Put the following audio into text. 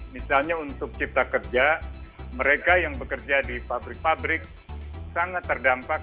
misalnya untuk cipta kerja mereka yang bekerja di pabrik pabrik sangat terdampak